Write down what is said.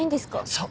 そう。